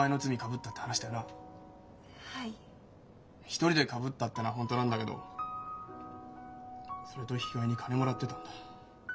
「一人でかぶった」ってのは本当なんだけどそれと引き換えに金もらってたんだ。